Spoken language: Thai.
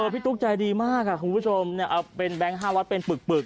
ตุ๊กใจดีมากคุณผู้ชมเอาเป็นแบงค์๕๐๐เป็นปึก